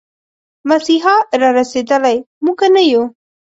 مسيحا را رسېدلی، موږه نه يو